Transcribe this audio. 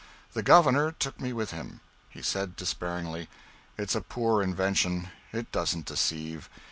The Governor took me with him. He said disparagingly, "It's a poor invention. It doesn't deceive.